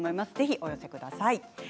お寄せください。